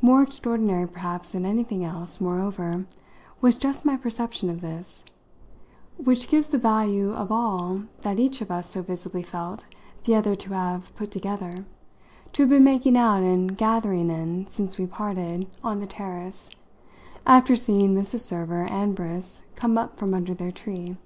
More extraordinary perhaps than anything else, moreover, was just my perception of this; which gives the value of all that each of us so visibly felt the other to have put together, to have been making out and gathering in, since we parted, on the terrace, after seeing Mrs. Server and Briss come up from under their tree.